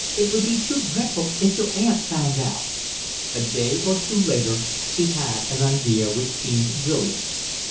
It would be too dreadful if your aunt found out." A day or two later he had an idea which seemed brilliant.